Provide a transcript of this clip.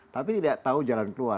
tapi tidak tahu jalan keluar